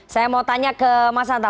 saya mau tanya ke mas anta